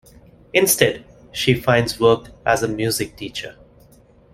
Instead, she finds work as a music teacher.